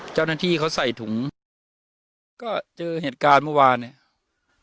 เจ้าหน้าที่เขาใส่ถุงแล้วก็เจอเหตุการณ์เมื่อวานเนี่ย